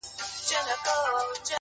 او له سترگو يې څو سپيني مرغلري-